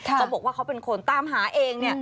ก็บอกว่าเขาเป็นคนตามหาเอง